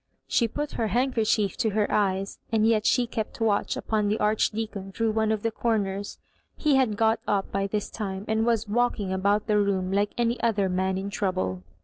She put her handkerchief to her eyes, and yet she kept watch upon the Archdeacon through one of the comers. He had got up by this time, and was walking about the room like any other man in trouble.